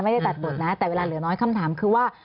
ไม่ได้ตัดบทนะแต่เวลาเหลือน้อยคำถามคือว่า